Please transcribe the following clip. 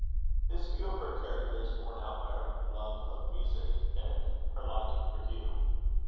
This view of her character is borne out by her love of music and her liking for Hugh.